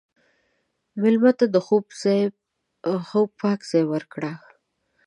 مېلمه ته د خوب پاک ځای ورکړه.